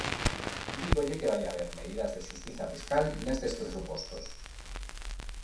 Dígolle que vai haber medidas de xustiza fiscal nestes Presupostos.